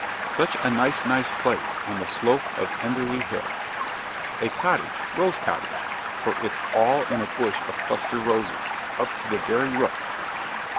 "Such a nice, nice place, on the slope of Enderley Hill. A cottage Rose Cottage for it's all in a bush of cluster roses, up to the very roof."